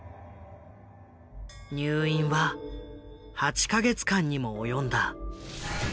入院は８か月間にも及んだ。